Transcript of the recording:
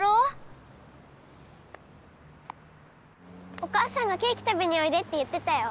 おかあさんが「ケーキたべにおいで」っていってたよ。